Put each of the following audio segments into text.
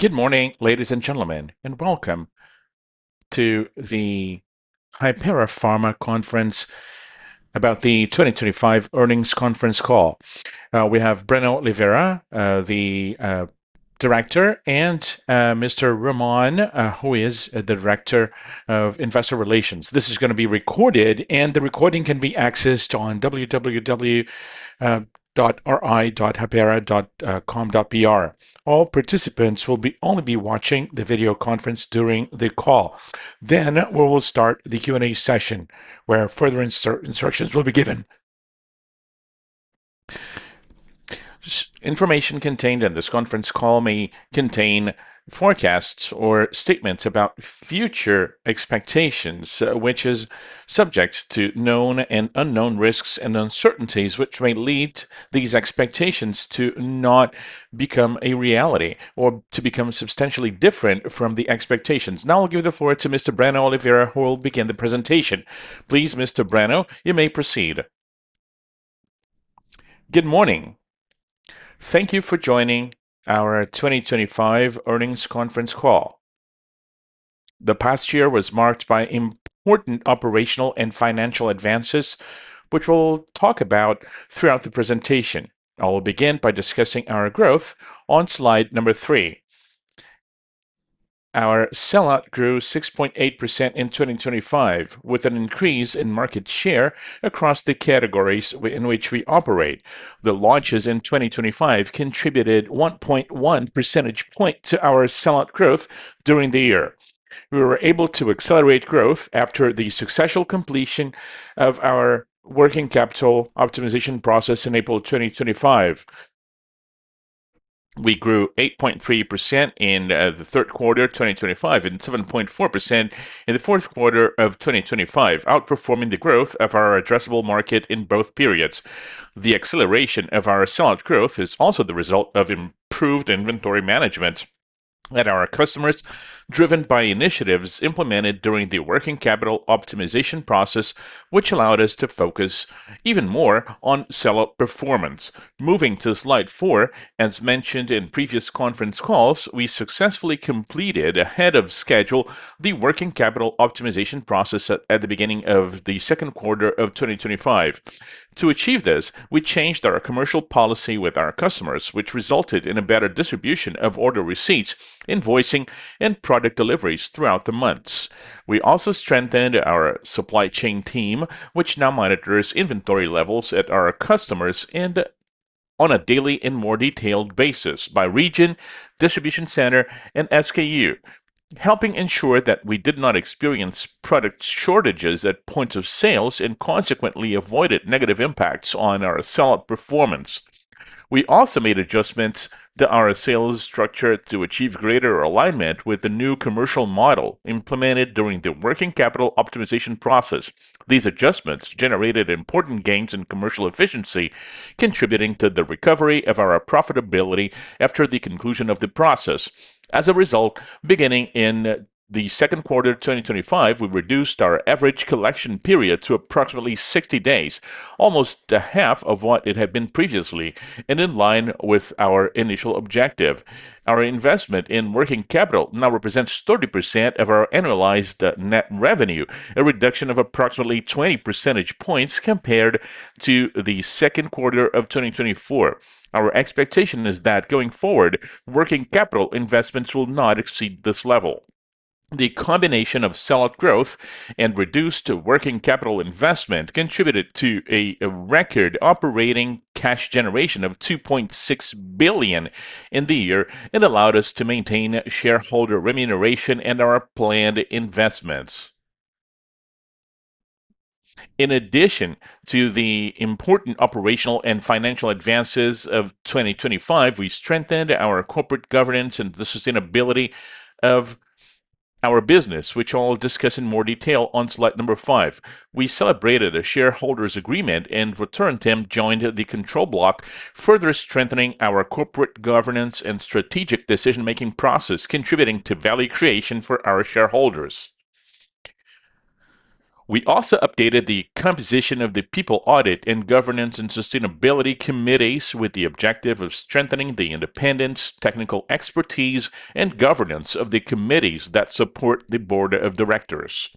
Good morning, ladies and gentlemen, and welcome to the Hypera Pharma Conference about the 2025 Earnings Conference Call. We have Breno Oliveira, the Director and Mr. Ramon, who is the Director of Investor Relations. This is gonna be recorded, and the recording can be accessed on www.ri.hypera.com.br. All participants will only be watching the video conference during the call. We will start the Q&A session where further instructions will be given. The information contained in this conference call may contain forecasts or statements about future expectations, which is subject to known and unknown risks and uncertainties, which may lead these expectations to not become a reality or to become substantially different from the expectations. Now I'll give the floor to Mr. Breno Oliveira, who will begin the presentation. Please, Mr. Breno, you may proceed. Good morning. Thank you for joining our 2025 earnings conference call. The past year was marked by important operational and financial advances, which we'll talk about throughout the presentation. I will begin by discussing our growth on slide number three. Our sellout grew 6.8% in 2025, with an increase in market share across the categories in which we operate. The launches in 2025 contributed 1.1 percentage point to our sellout growth during the year. We were able to accelerate growth after the successful completion of our working capital optimization process in April 2025. We grew 8.3% in the third quarter of 2025 and 7.4% in the fourth quarter of 2025, outperforming the growth of our addressable market in both periods. The acceleration of our sellout growth is also the result of improved inventory management at our customers, driven by initiatives implemented during the working capital optimization process, which allowed us to focus even more on sellout performance. Moving to slide four, as mentioned in previous conference calls, we successfully completed ahead of schedule the working capital optimization process at the beginning of the second quarter of 2025. To achieve this, we changed our commercial policy with our customers, which resulted in a better distribution of order receipts, invoicing, and product deliveries throughout the months. We also strengthened our supply chain team, which now monitors inventory levels at our customers and on a daily and more detailed basis by region, distribution center, and SKU, helping ensure that we did not experience product shortages at points of sales and consequently avoided negative impacts on our sellout performance. We also made adjustments to our sales structure to achieve greater alignment with the new commercial model implemented during the working capital optimization process. These adjustments generated important gains in commercial efficiency, contributing to the recovery of our profitability after the conclusion of the process. As a result, beginning in the second quarter of 2025, we reduced our average collection period to approximately 60 days, almost to half of what it had been previously and in line with our initial objective. Our investment in working capital now represents 30% of our annualized net revenue, a reduction of approximately 20 percentage points compared to the second quarter of 2024. Our expectation is that going forward, working capital investments will not exceed this level. The combination of sellout growth and reduced working capital investment contributed to a record operating cash generation of 2.6 billion in the year and allowed us to maintain shareholder remuneration and our planned investments. In addition to the important operational and financial advances of 2025, we strengthened our corporate governance and the sustainability of our business, which I'll discuss in more detail on slide number five. We celebrated a shareholders' agreement and Rettam joined the control block, further strengthening our corporate governance and strategic decision-making process, contributing to value creation for our shareholders. We also updated the composition of the people audit and governance and sustainability committees with the objective of strengthening the independence, technical expertise, and governance of the committees that support the board of directors.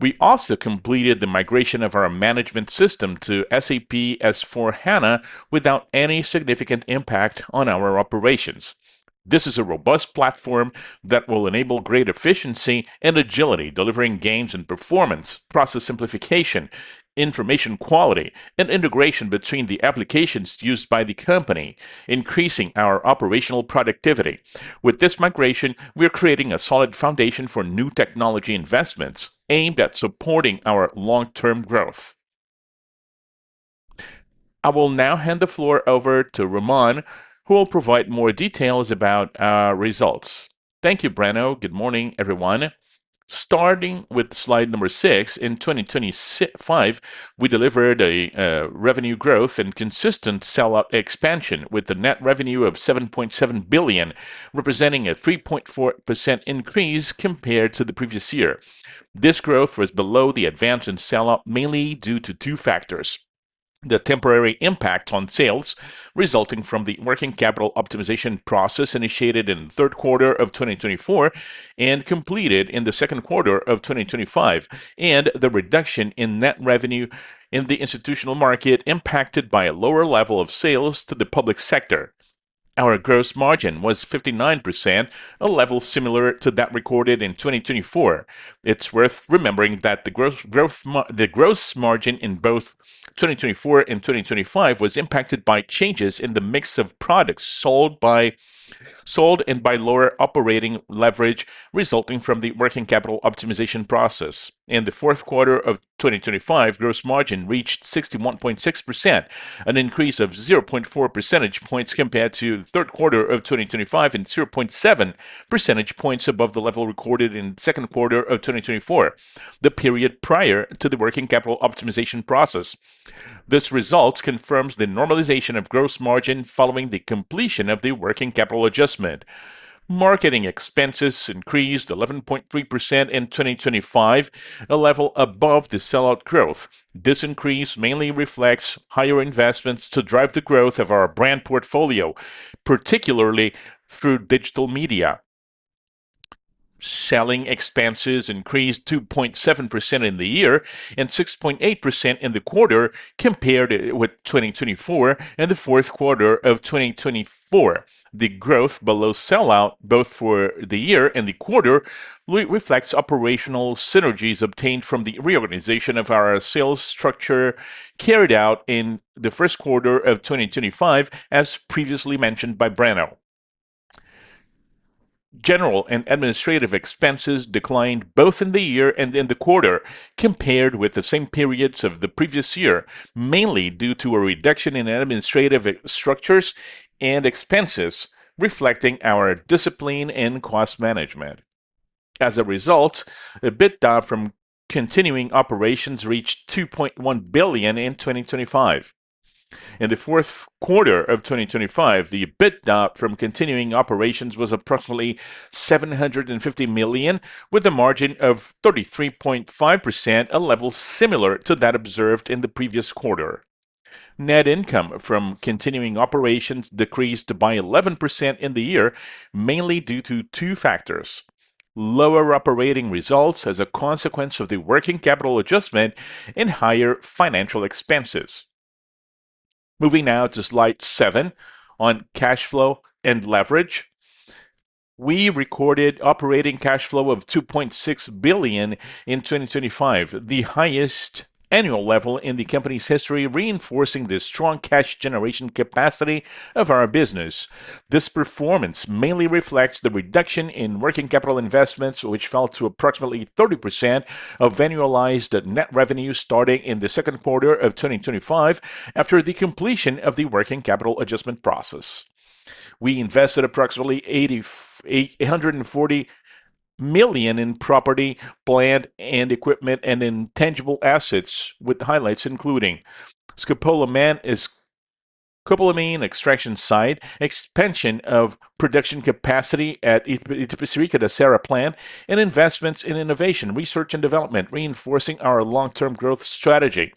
We also completed the migration of our management system to SAP S/4HANA without any significant impact on our operations. This is a robust platform that will enable great efficiency and agility, delivering gains in performance, process simplification, information quality, and integration between the applications used by the company, increasing our operational productivity. With this migration, we are creating a solid foundation for new technology investments aimed at supporting our long-term growth. I will now hand the floor over to Ramon, who will provide more details about our results. Thank you, Breno. Good morning, everyone. Starting with slide number six, in 2025, we delivered revenue growth and consistent sellout expansion with a net revenue of 7.7 billion, representing a 3.4% increase compared to the previous year. This growth was below the advance in sell-out, mainly due to two factors. The temporary impact on sales resulting from the working capital optimization process initiated in the third quarter of 2024 and completed in the second quarter of 2025, and the reduction in net revenue in the institutional market impacted by a lower level of sales to the public sector. Our gross margin was 59%, a level similar to that recorded in 2024. It's worth remembering that the gross margin in both 2024 and 2025 was impacted by changes in the mix of products sold and by lower operating leverage resulting from the working capital optimization process. In the fourth quarter of 2025, gross margin reached 61.6%, an increase of 0.4 percentage points compared to the third quarter of 2025 and 0.7 percentage points above the level recorded in the second quarter of 2024, the period prior to the working capital optimization process. This result confirms the normalization of gross margin following the completion of the working capital adjustment. Marketing expenses increased 11.3% in 2025, a level above the sell-out growth. This increase mainly reflects higher investments to drive the growth of our brand portfolio, particularly through digital media. Selling expenses increased 2.7% in the year and 6.8% in the quarter compared with 2024 and the fourth quarter of 2024. The growth below sellout both for the year and the quarter reflects operational synergies obtained from the reorganization of our sales structure carried out in the first quarter of 2025, as previously mentioned by Breno. General and administrative expenses declined both in the year and in the quarter compared with the same periods of the previous year, mainly due to a reduction in administrative structures and expenses reflecting our discipline in cost management. As a result, EBITDA from continuing operations reached 2.1 billion in 2025. In the fourth quarter of 2025, the EBITDA from continuing operations was approximately 750 million with a margin of 33.5%, a level similar to that observed in the previous quarter. Net income from continuing operations decreased by 11% in the year, mainly due to two factors, lower operating results as a consequence of the working capital adjustment and higher financial expenses. Moving now to slide seven on cash flow and leverage. We recorded operating cash flow of 2.6 billion in 2025, the highest annual level in the company's history, reinforcing the strong cash generation capacity of our business. This performance mainly reflects the reduction in working capital investments, which fell to approximately 30% of annualized net revenue starting in the second quarter of 2025 after the completion of the working capital adjustment process. We invested approximately 840 million in property, plant, and equipment and intangible assets, with the highlights including scopolamine extraction site, expansion of production capacity at Itapecerica da Serra plant, and investments in innovation, research and development, reinforcing our long-term growth strategy.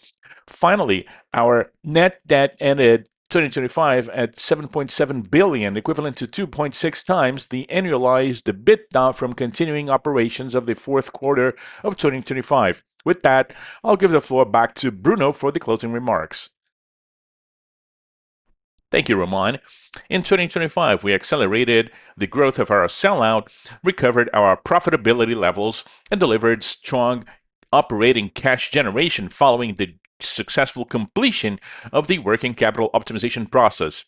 Finally, our net debt ended 2025 at 7.7 billion, equivalent to 2.6x the annualized EBITDA from continuing operations of the fourth quarter of 2025. With that, I'll give the floor back to Breno for the closing remarks. Thank you, Ramon. In 2025, we accelerated the growth of our sell-out, recovered our profitability levels, and delivered strong operating cash generation following the successful completion of the working capital optimization process.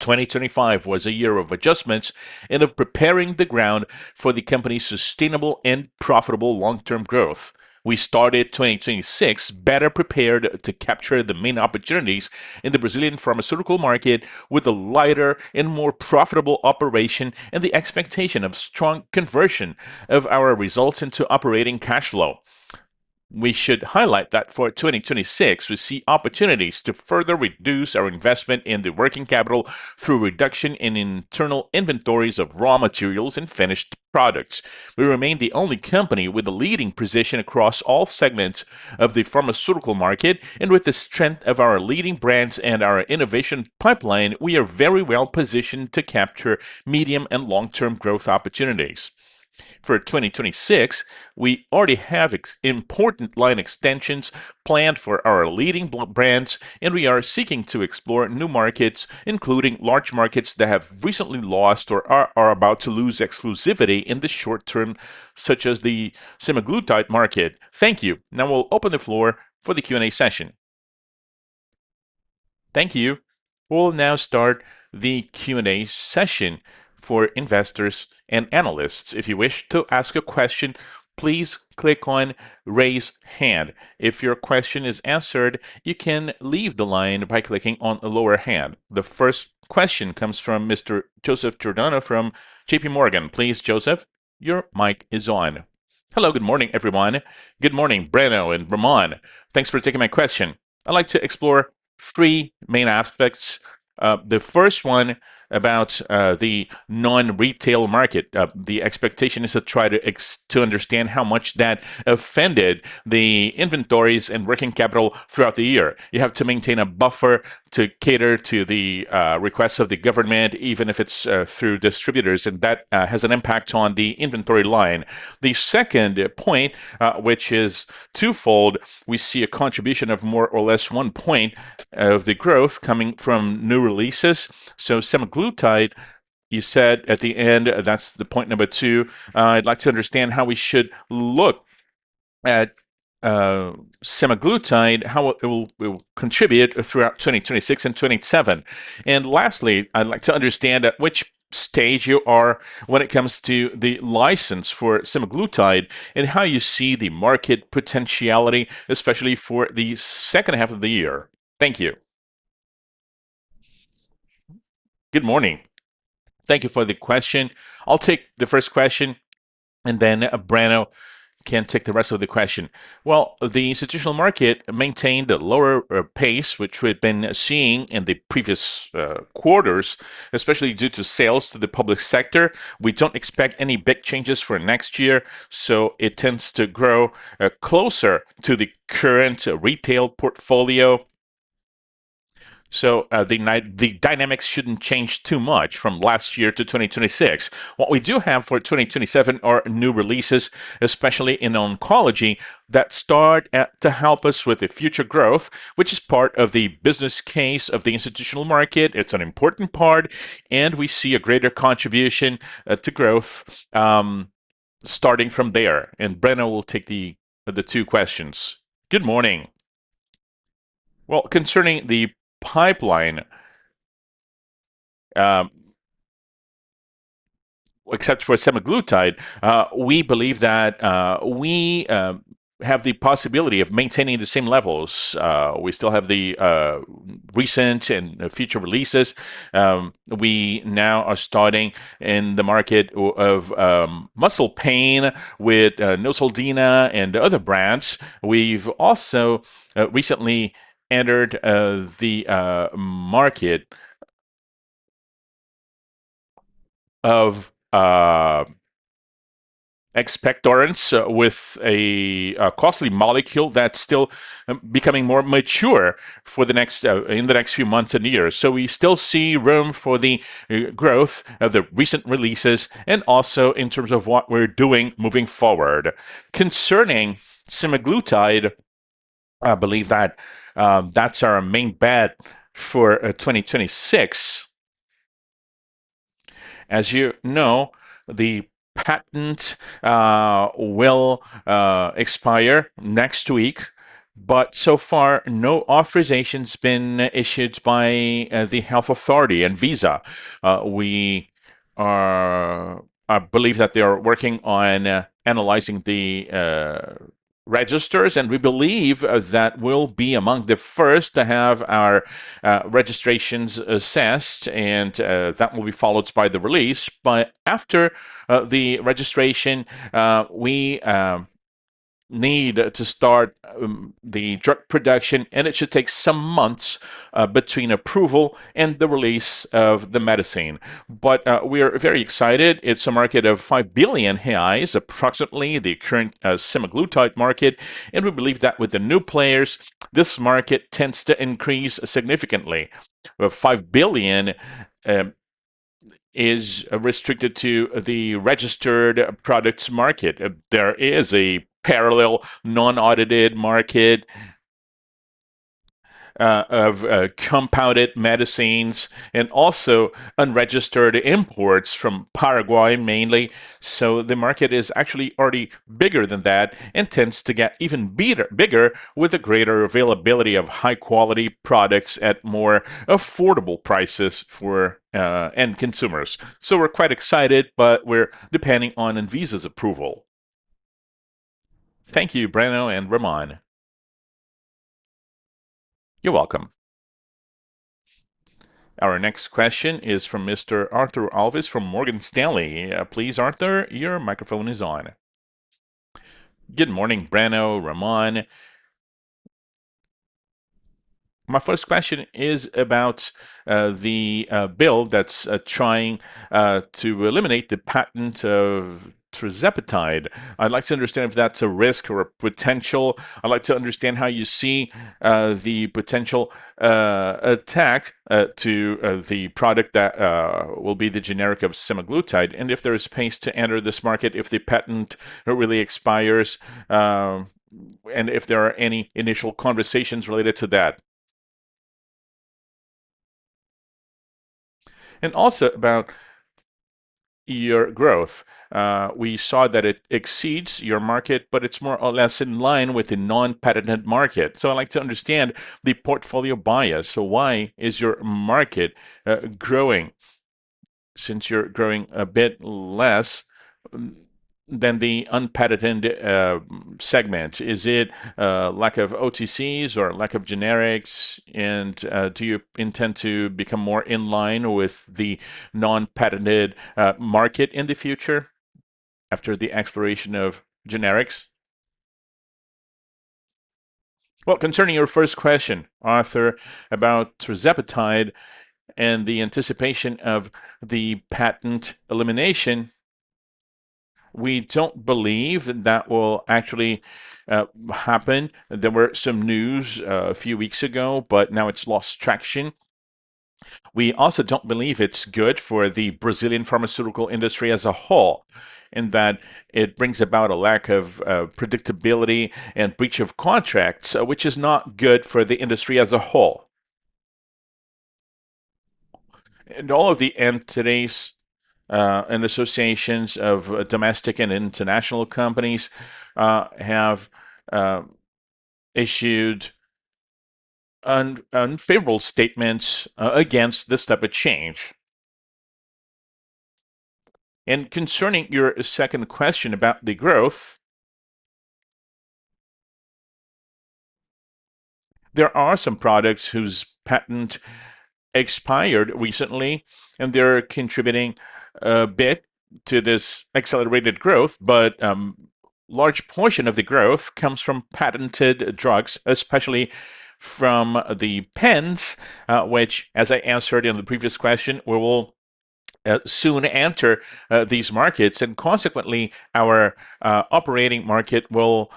2025 was a year of adjustments and of preparing the ground for the company's sustainable and profitable long-term growth. We started 2026 better prepared to capture the main opportunities in the Brazilian pharmaceutical market with a lighter and more profitable operation and the expectation of strong conversion of our results into operating cash flow. We should highlight that for 2026, we see opportunities to further reduce our investment in the working capital through reduction in internal inventories of raw materials and finished products. We remain the only company with a leading position across all segments of the pharmaceutical market. With the strength of our leading brands and our innovation pipeline, we are very well positioned to capture medium and long-term growth opportunities. For 2026, we already have important line extensions planned for our leading brands, and we are seeking to explore new markets, including large markets that have recently lost or are about to lose exclusivity in the short term, such as the semaglutide market. Thank you. Now we'll open the floor for the Q&A session. Thank you. We'll now start the Q&A session for investors and analysts. If you wish to ask a question, please click on Raise Hand. If your question is answered, you can leave the line by clicking on Lower Hand. The first question comes from Mr. Joseph Giordano from JPMorgan. Please, Joseph, your mic is on. Hello, good morning, everyone. Good morning, Breno and Ramon. Thanks for taking my question. I'd like to explore three main aspects. The first one about the non-retail market. The expectation is to try to understand how much that affected the inventories and working capital throughout the year. You have to maintain a buffer to cater to the requests of the government, even if it's through distributors, and that has an impact on the inventory line. The second point, which is twofold, we see a contribution of more or less 1% of the growth coming from new releases. So semaglutide, you said at the end, that's the point number two. I'd like to understand how we should look at semaglutide, how it will contribute throughout 2026 and 2027. Lastly, I'd like to understand at which stage you are when it comes to the license for semaglutide and how you see the market potentiality, especially for the second half of the year. Thank you. Good morning. Thank you for the question. I'll take the first question, and then Breno can take the rest of the question. Well, the institutional market maintained a lower pace, which we've been seeing in the previous quarters, especially due to sales to the public sector. We don't expect any big changes for next year, so it tends to grow closer to the current retail portfolio. The dynamics shouldn't change too much from last year to 2026. What we do have for 2027 are new releases, especially in oncology, that start to help us with the future growth, which is part of the business case of the institutional market. It's an important part, and we see a greater contribution to growth starting from there. Breno will take the two questions. Good morning. Well, concerning the pipeline, except for semaglutide, we believe that we have the possibility of maintaining the same levels. We still have the recent and future releases. We now are starting in the market of muscle pain with Neosaldina and other brands. We've also recently entered the market of expectorants with a costly molecule that's still becoming more mature in the next few months and years. We still see room for the growth of the recent releases and also in terms of what we're doing moving forward. Concerning semaglutide, I believe that that's our main bet for 2026. As you know, the patent will expire next week, but so far, no authorization's been issued by the health authority, ANVISA. I believe that they are working on analyzing the registers, and we believe that we'll be among the first to have our registrations assessed, and that will be followed by the release. After the registration, we need to start the drug production, and it should take some months between approval and the release of the medicine. We are very excited. It's a market of 5 billion reais, approximately the current semaglutide market. We believe that with the new players, this market tends to increase significantly. 5 billion is restricted to the registered products market. There is a parallel non-audited market of compounded medicines and also unregistered imports from Paraguay mainly. The market is actually already bigger than that and tends to get even bigger with a greater availability of high-quality products at more affordable prices for end consumers. We're quite excited, but we're depending on ANVISA's approval. Thank you, Breno and Ramon. You're welcome. Our next question is from Mr. Artur Alves from Morgan Stanley. Please, Artur, your microphone is on. Good morning, Breno, Ramon. My first question is about the bill that's trying to eliminate the patent of tirzepatide. I'd like to understand if that's a risk or a potential. I'd like to understand how you see the potential impact to the product that will be the generic of semaglutide, and if there is space to enter this market if the patent really expires, and if there are any initial conversations related to that. Also about your growth. We saw that it exceeds your market, but it's more or less in line with the unpatented market. I'd like to understand the portfolio bias. Why is your market growing since you're growing a bit less than the unpatented segment? Is it a lack of OTCs or lack of generics? Do you intend to become more in line with the unpatented market in the future? After the explanation of generics. Well, concerning your first question, Artur, about tirzepatide and the anticipation of the patent elimination, we don't believe that that will actually happen. There were some news a few weeks ago, but now it's lost traction. We also don't believe it's good for the Brazilian pharmaceutical industry as a whole, in that it brings about a lack of predictability and breach of contracts, which is not good for the industry as a whole. All of the entities and associations of domestic and international companies have issued unfavorable statements against this type of change. Concerning your second question about the growth, there are some products whose patent expired recently, and they're contributing a bit to this accelerated growth. Large portion of the growth comes from patented drugs, especially from the pens, which as I answered in the previous question, we will soon enter these markets. Consequently, our operating market will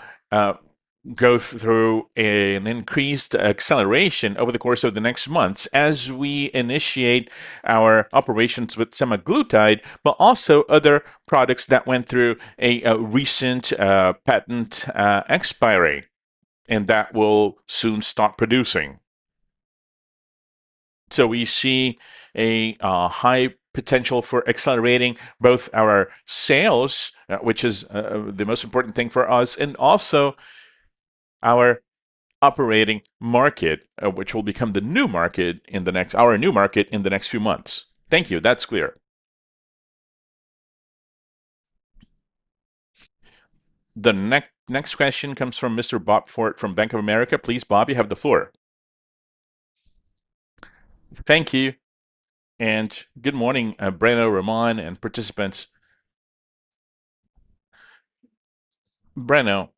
go through an increased acceleration over the course of the next months as we initiate our operations with semaglutide, but also other products that went through a recent patent expiry and that will soon start producing. We see a high potential for accelerating both our sales, which is the most important thing for us, and also our operating market, which will become our new market in the next few months. Thank you. That's clear. The next question comes from Mr. Bob Ford from Bank of America. Please, Bob, you have the floor. Thank you. Good morning, Breno, Ramon, and participants. Breno,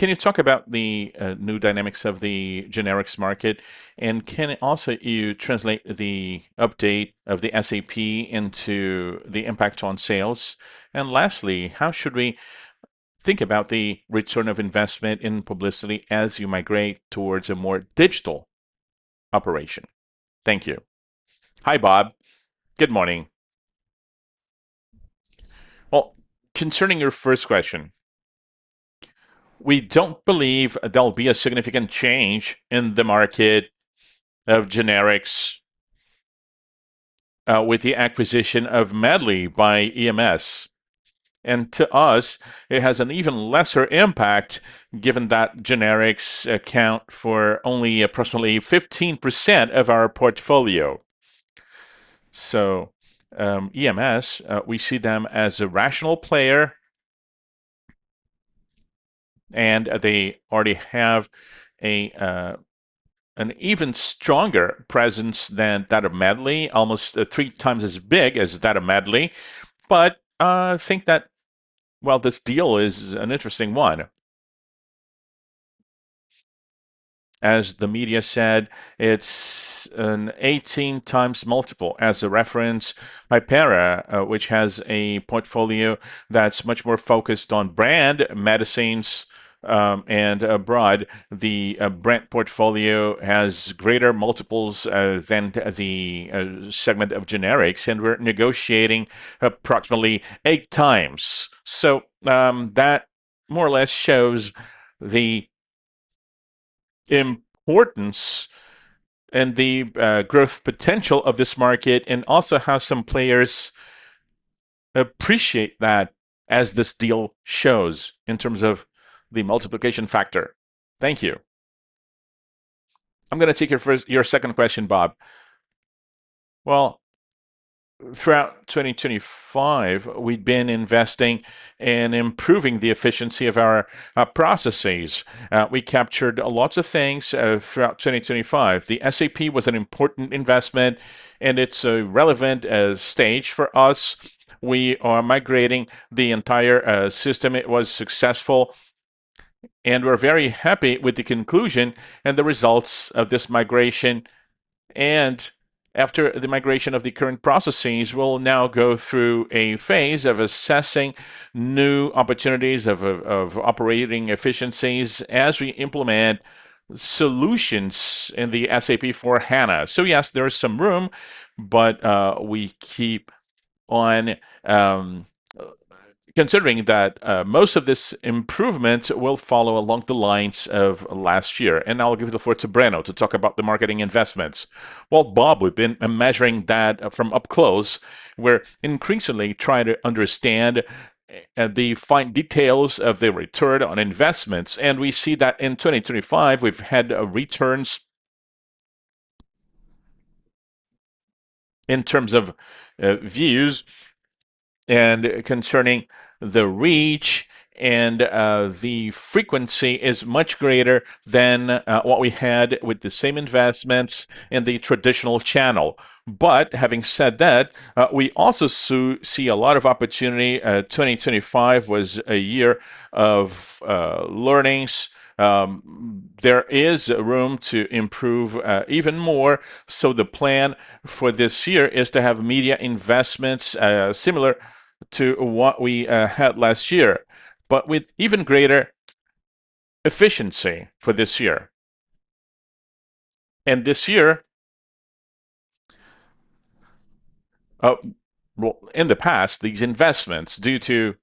can you talk about the new dynamics of the generics market? Can you also translate the update of the SAP into the impact on sales? Lastly, how should we think about the return on investment in publicity as you migrate towards a more digital operation? Thank you. Hi, Bob. Good morning. Well, concerning your first question, we don't believe there'll be a significant change in the market of generics with the acquisition of Medley by EMS. To us, it has an even lesser impact given that generics account for only approximately 15% of our portfolio. EMS, we see them as a rational player, and they already have an even stronger presence than that of Medley, almost 3x as big as that of Medley. I think that, well, this deal is an interesting one. As the media said, it's an 18x multiple. As a reference, Hypera, which has a portfolio that's much more focused on brand medicines, and abroad, the brand portfolio has greater multiples than the segment of generics, and we're negotiating approximately 8x. That more or less shows the importance and the growth potential of this market and also how some players appreciate that as this deal shows in terms of the multiplication factor. Thank you. I'm gonna take your second question, Bob. Well, throughout 2025, we've been investing in improving the efficiency of our processes. We captured lots of things throughout 2025. The SAP was an important investment, and it's a relevant stage for us. We are migrating the entire system. It was successful, and we're very happy with the conclusion and the results of this migration. After the migration of the current processes, we'll now go through a phase of assessing new opportunities of operating efficiencies as we implement solutions in the SAP S/4HANA. Yes, there is some room, but we keep on considering that most of this improvement will follow along the lines of last year. I'll give the floor to Breno to talk about the marketing investments. Well, Bob, we've been measuring that from up close. We're increasingly trying to understand the fine details of the return on investments. We see that in 2025, we've had returns in terms of views and concerning the reach and the frequency is much greater than what we had with the same investments in the traditional channel. Having said that, we also see a lot of opportunity. 2025 was a year of learnings. There is room to improve even more. The plan for this year is to have media investments similar to what we had last year, but with even greater efficiency for this year. In the past, these investments, due to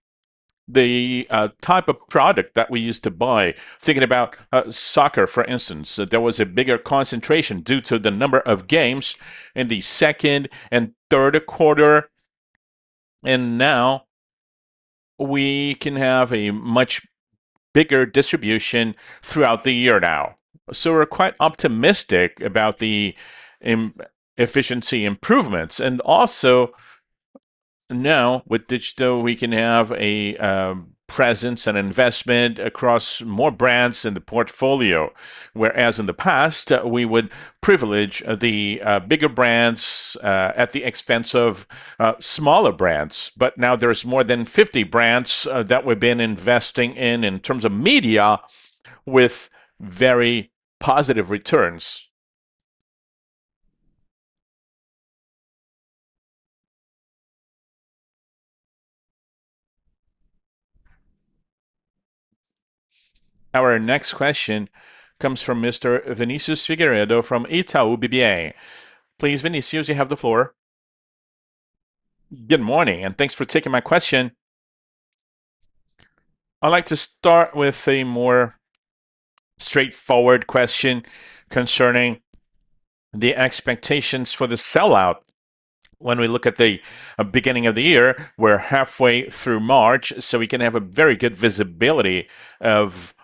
the type of product that we used to buy, thinking about soccer, for instance, there was a bigger concentration due to the number of games in the second and third quarter. Now we can have a much bigger distribution throughout the year now. We're quite optimistic about the inefficiency improvements. Also now with digital, we can have a presence and investment across more brands in the portfolio. Whereas in the past, we would privilege the bigger brands at the expense of smaller brands. Now there's more than 50 brands that we've been investing in in terms of media with very positive returns. Our next question comes from Mr. Vinicius Figueiredo from Itaú BBA. Please, Vinicius, you have the floor. Good morning, and thanks for taking my question. I'd like to start with a more straightforward question concerning the expectations for the sell-out. When we look at the beginning of the year, we're halfway through March, so we can have a very good visibility of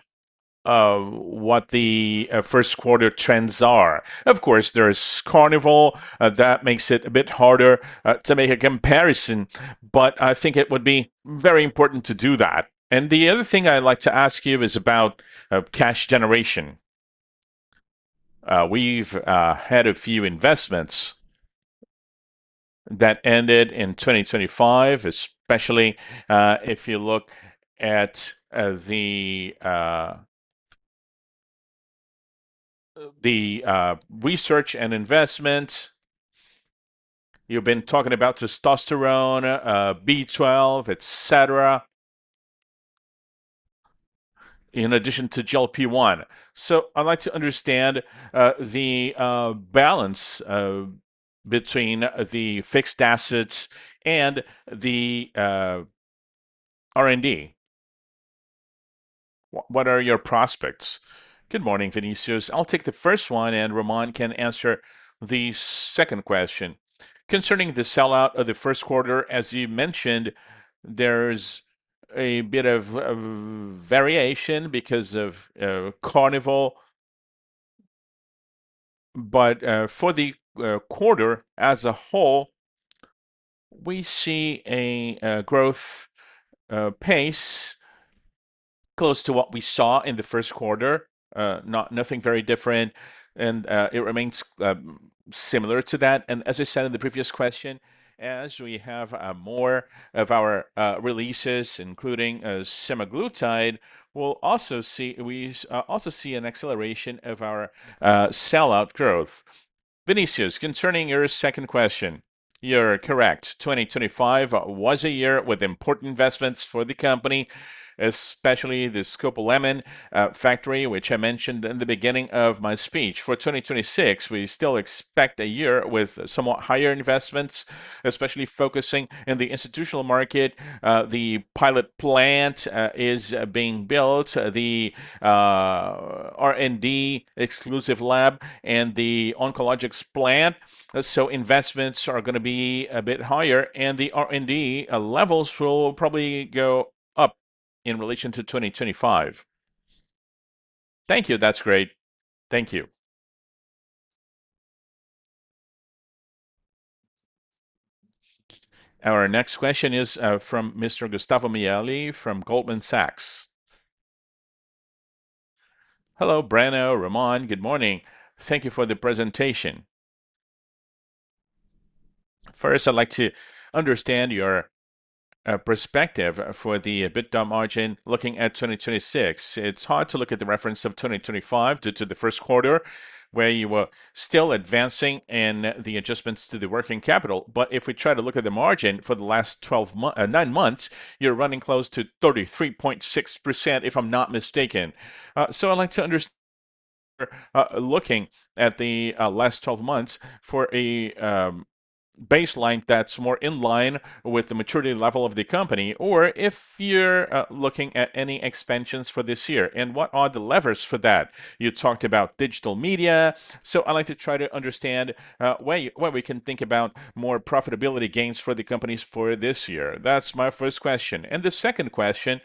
what the first quarter trends are. Of course, there's Carnival that makes it a bit harder to make a comparison, but I think it would be very important to do that. The other thing I'd like to ask you is about cash generation. We've had a few investments that ended in 2025, especially if you look at the research and investment. You've been talking about testosterone, B12, et cetera, in addition to GLP-1. I'd like to understand the balance between the fixed assets and the R&D. What are your prospects? Good morning, Vinicius. I'll take the first one, and Ramon can answer the second question. Concerning the sell-out of the first quarter, as you mentioned, there's a bit of variation because of Carnival. For the quarter as a whole, we see a growth pace close to what we saw in the first quarter. Nothing very different, and it remains similar to that. As I said in the previous question, as we have more of our releases, including semaglutide, we'll also see an acceleration of our sell-out growth. Vinicius, concerning your second question, you're correct. 2025 was a year with important investments for the company, especially the scopolamine factory, which I mentioned in the beginning of my speech. For 2026, we still expect a year with somewhat higher investments, especially focusing in the institutional market. The pilot plant is being built, the R&D exclusive lab and the oncologics plant. Investments are gonna be a bit higher, and the R&D levels will probably go up in relation to 2025. Thank you. That's great. Thank you. Our next question is from Mr. Gustavo Miele from Goldman Sachs. Hello, Breno, Ramon. Good morning. Thank you for the presentation. First, I'd like to understand your perspective for the EBITDA margin looking at 2026. It's hard to look at the reference of 2025 due to the first quarter, where you were still advancing in the adjustments to the working capital. If we try to look at the margin for the last nine months, you're running close to 33.6%, if I'm not mistaken. I'd like to looking at the last 12 months for a baseline that's more in line with the maturity level of the company or if you're looking at any expansions for this year. What are the levers for that? You talked about digital media. I'd like to try to understand where we can think about more profitability gains for the companies for this year. That's my first question. The second question.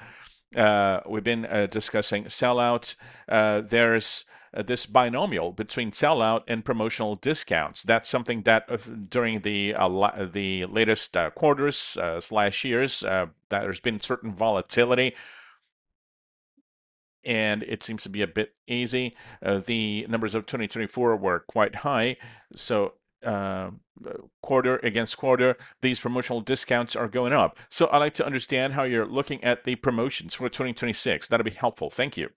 We've been discussing sell-outs. There's this binomial between sell-out and promotional discounts. That's something that during the latest quarters, last year, there's been certain volatility. It seems to be a bit easy. The numbers of 2024 were quite high. Quarter against quarter, these promotional discounts are going up. I'd like to understand how you're looking at the promotions for 2026. That'll be helpful. Thank you.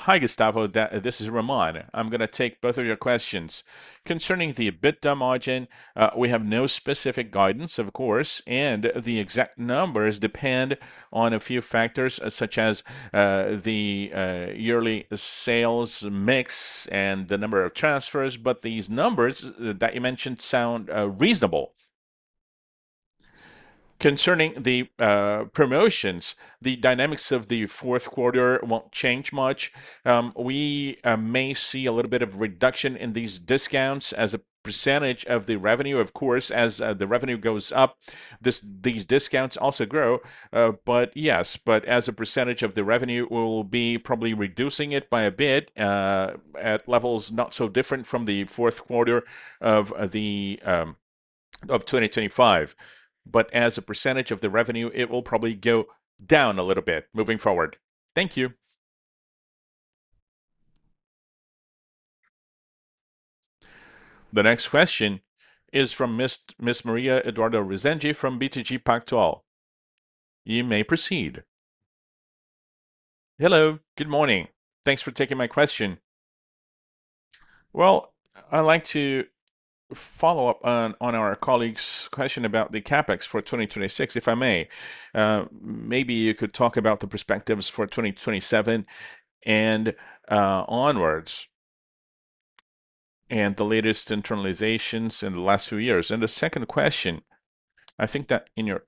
Hi, Gustavo. This is Ramon. I'm gonna take both of your questions. Concerning the EBITDA margin, we have no specific guidance, of course, and the exact numbers depend on a few factors such as the yearly sales mix and the number of transfers. But these numbers that you mentioned sound reasonable. Concerning the promotions, the dynamics of the fourth quarter won't change much. We may see a little bit of reduction in these discounts as a percentage of the revenue. Of course, as the revenue goes up, these discounts also grow. Yes, as a percentage of the revenue, we'll be probably reducing it by a bit, at levels not so different from the fourth quarter of 2025. As a percentage of the revenue, it will probably go down a little bit moving forward. Thank you. The next question is from Miss Maria Eduarda Resende from BTG Pactual. You may proceed. Hello. Good morning. Thanks for taking my question. Well, I'd like to follow up on our colleague's question about the CapEx for 2026, if I may. Maybe you could talk about the perspectives for 2027 and onwards, and the latest internationalizations in the last few years. The second question, I think that in your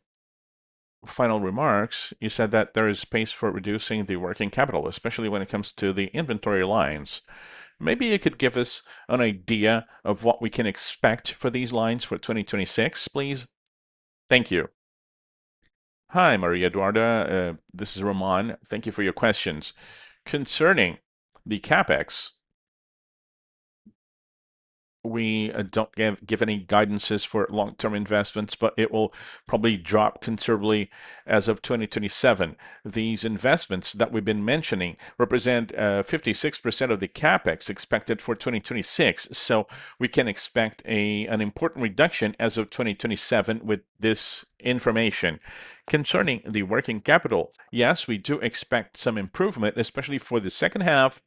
final remarks, you said that there is space for reducing the working capital, especially when it comes to the inventory lines. Maybe you could give us an idea of what we can expect for these lines for 2026, please. Thank you. Hi, Maria Eduarda. This is Ramon. Thank you for your questions. Concerning the CapEx, we don't give any guidance for long-term investments, but it will probably drop considerably as of 2027. These investments that we've been mentioning represent 56% of the CapEx expected for 2026. We can expect an important reduction as of 2027 with this information. Concerning the working capital, yes, we do expect some improvement, especially for the second half.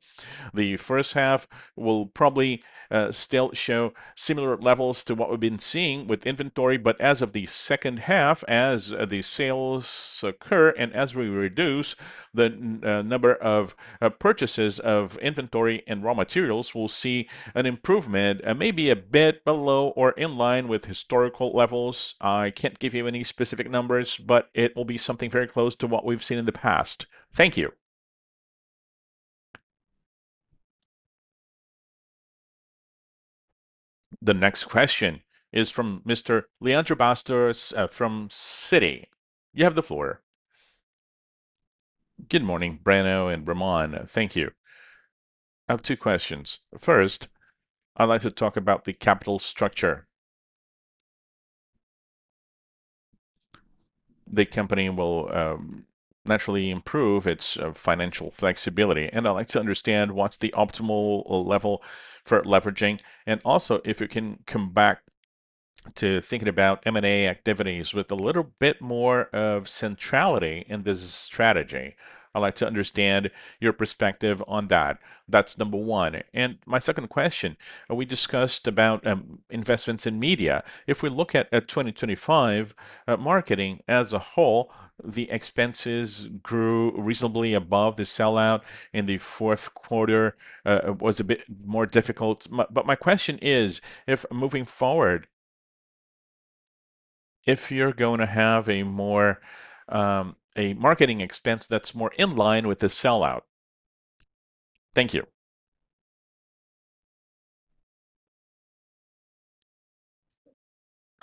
The first half will probably still show similar levels to what we've been seeing with inventory. As of the second half, as the sales occur and as we reduce the number of purchases of inventory and raw materials, we'll see an improvement, maybe a bit below or in line with historical levels. I can't give you any specific numbers, but it will be something very close to what we've seen in the past. Thank you. The next question is from Mr. Leandro Bastos from Citi. You have the floor. Good morning, Breno and Ramon. Thank you. I have two questions. First, I'd like to talk about the capital structure. The company will naturally improve its financial flexibility, and I'd like to understand what's the optimal level for leveraging. Also, if you can come back to thinking about M&A activities with a little bit more of centrality in this strategy. I'd like to understand your perspective on that. That's number one. My second question, we discussed about investments in media. If we look at 2025, marketing as a whole, the expenses grew reasonably above the sell-out, and the fourth quarter was a bit more difficult. But my question is, if moving forward, if you're gonna have a more a marketing expense that's more in line with the sell-out. Thank you.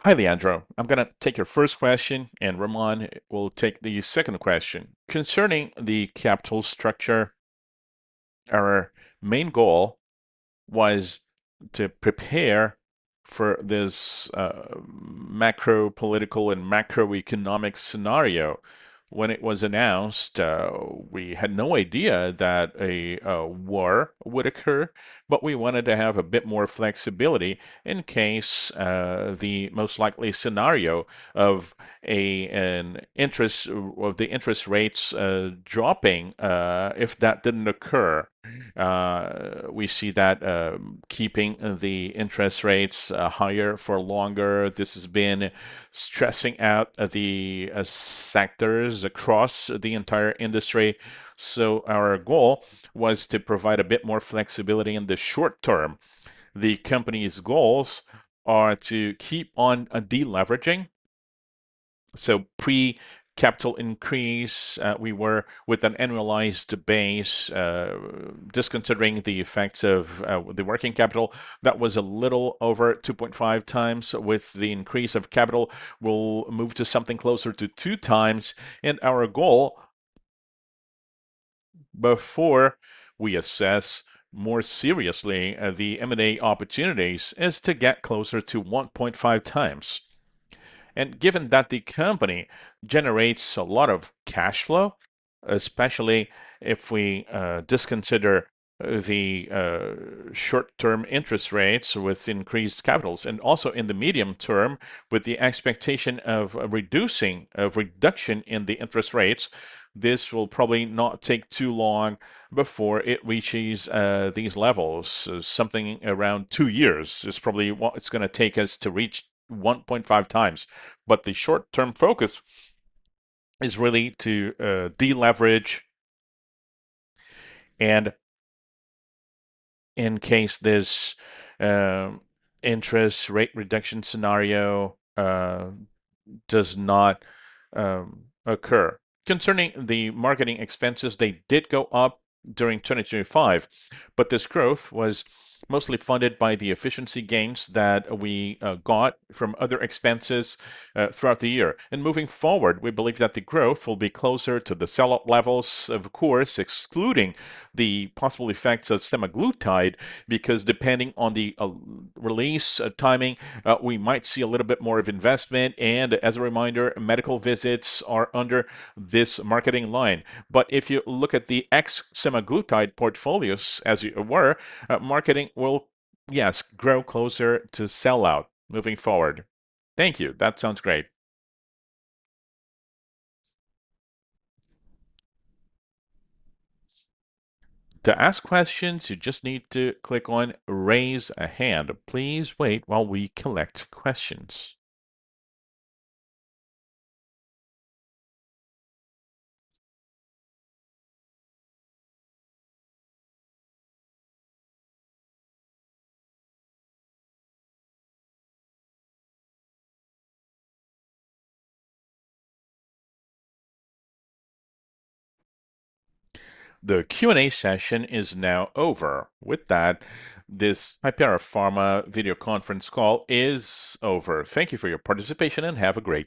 Hi, Leandro. I'm gonna take your first question, and Ramon will take the second question. Concerning the capital structure, our main goal was to prepare for this, macro political and macroeconomic scenario. When it was announced, we had no idea that a war would occur, but we wanted to have a bit more flexibility in case the most likely scenario of the interest rates dropping if that didn't occur. We see that keeping the interest rates higher for longer. This has been stressing out the sectors across the entire industry. Our goal was to provide a bit more flexibility in the short term. The company's goals are to keep on de-leveraging. Pre-capital increase, we were with an annualized base, disregarding the effects of the working capital. That was a little over 2.5x. With the increase of capital, we'll move to something closer to 2x. Our goal before we assess more seriously the M&A opportunities is to get closer to 1.5x. Given that the company generates a lot of cash flow, especially if we disconsider the short-term interest rates with increased capitals and also in the medium term with the expectation of reduction in the interest rates, this will probably not take too long before it reaches these levels. Something around two years is probably what it's gonna take us to reach 1.5x. The short-term focus is really to deleverage and in case this interest rate reduction scenario does not occur. Concerning the marketing expenses, they did go up during 2025, but this growth was mostly funded by the efficiency gains that we got from other expenses throughout the year. Moving forward, we believe that the growth will be closer to the sellout levels, of course, excluding the possible effects of semaglutide, because depending on the release timing, we might see a little bit more of investment. As a reminder, medical visits are under this marketing line. If you look at the ex-semaglutide portfolios as it were, marketing will, yes, grow closer to sell-out moving forward. Thank you. That sounds great. To ask questions, you just need to click on Raise Hand. Please wait while we collect questions. The Q&A session is now over. With that, this Hypera Pharma video conference call is over. Thank you for your participation, and have a great day.